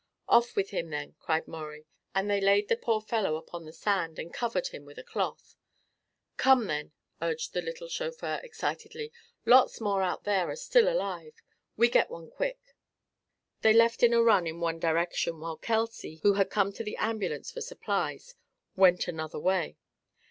"Off with him, then!" cried Maurie, and they laid the poor fellow upon the sand and covered him with a cloth. "Come, then," urged the little chauffeur, excitedly, "lots more out there are still alive. We get one quick." They left in a run in one direction while Kelsey, who had come to the ambulance for supplies, went another way.